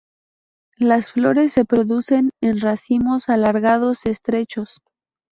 Las flores se producen en racimos alargados estrechos.